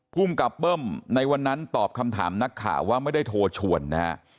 ภูมิกับเบิ้มในวันนั้นตอบคำถามนักข่าวว่าไม่ได้โทรชวนนะฮะ